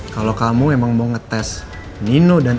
kalau kamu emang mau ngetes nino dan andi